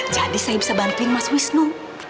jadi saya bisa bantuin mas wisnu